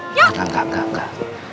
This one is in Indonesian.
enggak enggak enggak